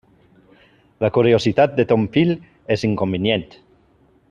La curiositat de ton fill és inconvenient.